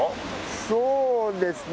そうですね。